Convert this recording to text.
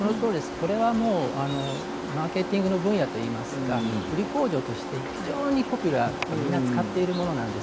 これはマーケティングの分野といいますか売り口上として非常にポピュラーでみんな使っているものなんです。